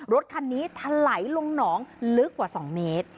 รถคันนี้ทะไหลลงหนองลึกกว่า๒เมตร